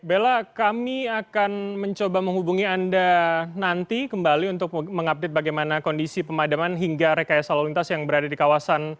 bella kami akan mencoba menghubungi anda nanti kembali untuk mengupdate bagaimana kondisi pemadaman hingga rekayasa lalu lintas yang berada di kawasan